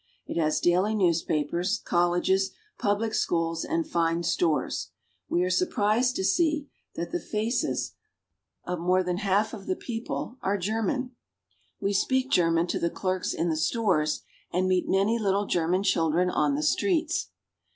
It has daily newspapers, colleges, public schools, and fine stores. We are surprised to see that the faces of more CARP. S. AM.^ — 'id 252 BRAZIL. than half of the people are German. We speak German to the clerks in the stores, and meet many little German children on the streets.